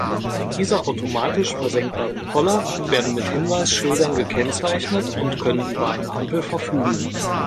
Diese automatisch versenkbaren Poller werden mit Hinweisschildern gekennzeichnet und können über eine Ampel verfügen.